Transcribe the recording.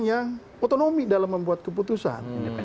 yang otonomi dalam membuat keputusan